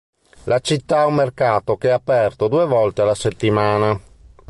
La città ha un mercato che è aperto due volte alla settimana.